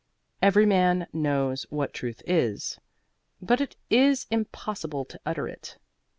Every man knows what Truth is, but it is impossible to utter it.